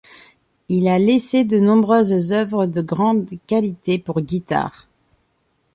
Il a laissé de nombreuses œuvres de grande qualité pour guitare.